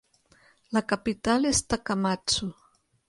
La capital és Takamatsu.